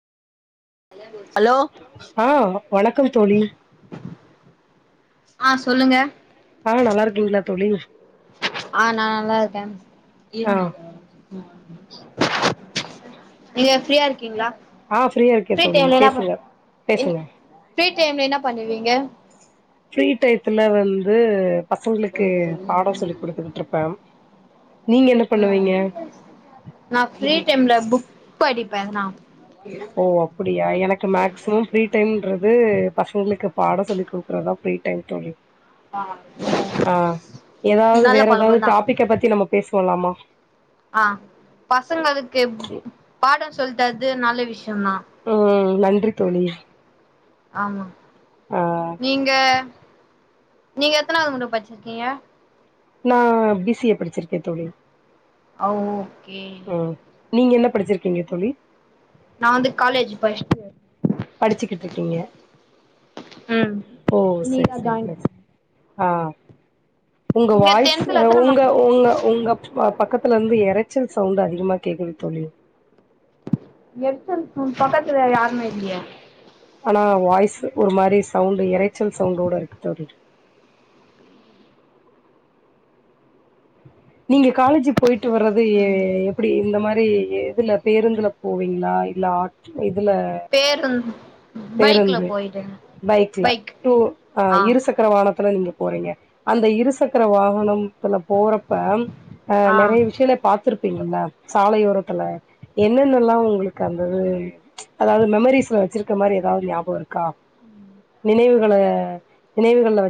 Hello ஆ வணக்கம் தோழி ஆ சொல்லுங்க ஆ நல்லாருக்கீங்களா தோழி ஆ நா நல்லாருக்கே ஆ நீங்க ஃப்ரீயாருக்கீங்ளா ஆ ஃப்ரீயாருக்கே தோழி பேசுங்க என் பேசுங்க ஃப்ரீ டைம்ல என்ன பண்ணுவீங்க ஃப்ரீ டயத்துல வந்து பசங்ளுக்கு பாடசொல்லி குடுத்துக்கிட்ருப்ப அ நா ஃப்ரீ டைம்ல புக் படிப்பே நா ஓ அப்புடியா எனக்கு மேக்சிமம் ஃப்ரீ டைம்ன்றது பசங்குளுக்கு பாடொ சொல்லி் குடுக்றதா ஃப்ரீ டைம் தோழி ஆ ஏதாவ்து நல்ல வேறஎதாவ்து பழக்கந்தா டாபிக்க பத்தி நம்ம பேசுவலாம்மா ஆ பசங்களுக்கு எப் பாடொ சொல்தரது நல்ல விஷ்யந்தா ம் நன்றி தோழி. ஆம்மா ஆ நீங்க நீங்க எத்தனாவ்து முர படிச்சிர்க்கீங்க நா பி சி ஏ படிச்சிருக்கே தோழி அவ் ஓக்கே ம் நீங்க என்ன படிச்சிருக்கிங்க தோழி? நா வந்து காலேஜ் ஃபஸ்ட் இயர் படிச்சுகிட்ருக்கிங்க ம் ஓ சரி இன்னிக்குதா சரி ஜாயின் சரி ஆ உங்க நீங்க வாய்ஸ் டென்த்ல எத்தன மார்க் உங்க உங்க உங்க அ பக்கத்துலருந்து எரச்சல் சவுண்ட் அதிகமா கேக்குது தோழி எரச்சல் சவுன் பக்கத்துல வேற யாருமே இல்லையே ஆனா வாய்ஸ் ஒரு மாரி சவுண்டு இரைச்சல் சவுண்டோட இருக்கு தோழி நீங்க காலேஜுக் போயிட்டு வர்றது ஏ ம் எ ப்படி இந்த மாரி இதுல பேருந்துல போவிங்களா இல்ல ஆட் இதுல பேருந்து பைக்ல பேருந்து போயிட்டேங்க பைக்ல பைக் டூ ஆ இருசக் கர வாகனத்துல நீங்க போறிங்க அந்த இருசக்கர வாகன த்துல போறப்ப ஆ நெறைய விஷயங்ள பாத்துருப்பிங்கல்ல சாலையோரத்துல என்னென்னல்லா உங்களுக்கு அந்தது அதாவது மெம்ரீஸ்ல வெச்சிருக்க மாரி ஏதாவது ஞாபக இருக் கா நினைவுகள நினைவுகள்ல